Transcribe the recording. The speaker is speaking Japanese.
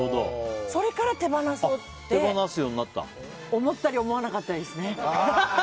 それから手放そうって思ったり思わなかったりですね。